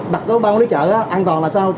đặt tới ban quản lý chợ á an toàn là sao